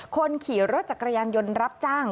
คนขี่รถจักรยานยนต์รับจ้าง